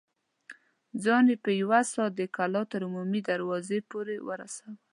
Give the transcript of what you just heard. ځان يې په يوه سا د کلا تر عمومي دروازې پورې ورساوه.